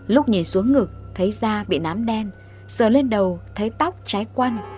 lúc nhìn xuống ngực thấy da bị nám đen sờn lên đầu thấy tóc trái quăn